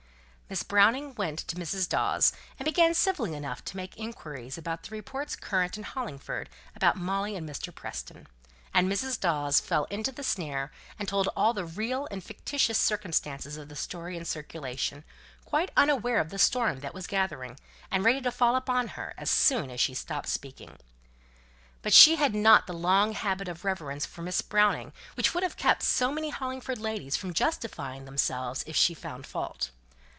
Miss Browning went to Mrs. Dawes' and began civilly enough to make inquiries concerning the reports current in Hollingford about Molly and Mr. Preston; and Mrs. Dawes fell into the snare, and told all the real and fictitious circumstances of the story in circulation, quite unaware of the storm that was gathering and ready to fall upon her as soon as she stopped speaking. But she had not the long habit of reverence for Miss Browning which would have kept so many Hollingford ladies from justifying themselves if she found fault.